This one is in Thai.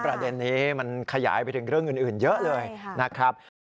ประเด็นนี้มันขยายไปถึงเรื่องอื่นเยอะเลยนะครับ